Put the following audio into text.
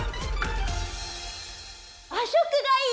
和食がいい！